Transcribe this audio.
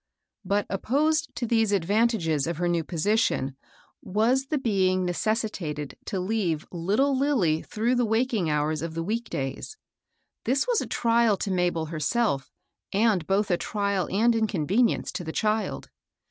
But opposed to these advantages of her new position was the being necessitated to leave little Lilly through the waking hours of the week days. This was a trial to Mabel herself, and both a trial and inconvenience to the child.